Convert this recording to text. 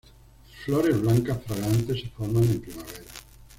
Flores blancas fragantes se forman en primavera.